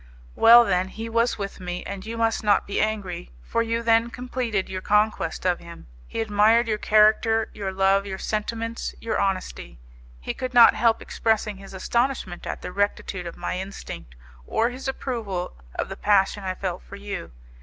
"Well, then, he was with me, and you must not be angry, for you then completed your conquest of him. He admired your character, your love, your sentiments, your honesty. He could not help expressing his astonishment at the rectitude of my instinct, or his approval of the passion I felt for you.